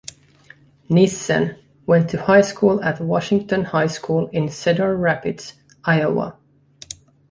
Nissen went to high school at Washington High School in Cedar Rapids, Iowa.